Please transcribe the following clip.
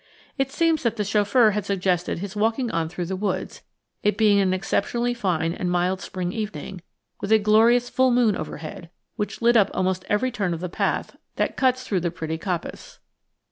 It seems that the chauffeur had suggested his walking on through the woods, it being an exceptionally fine and mild spring evening, with a glorious full moon overhead, which lit up almost every turn of the path that cuts through the pretty coppice.